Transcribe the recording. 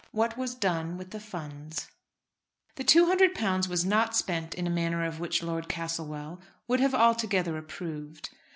WHAT WAS DONE WITH THE FUNDS. The £200 was not spent in a manner of which Lord Castlewell would have altogether approved.